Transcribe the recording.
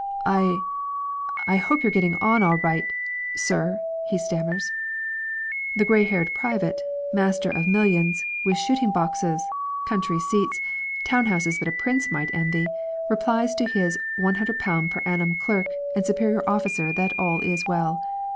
"I I hope you're getting on all right sir," he stammers. The grey haired private, master of millions, with shooting boxes, country seats, town houses that a prince might envy, replies to his £100 per annum clerk and superior officer that all is well.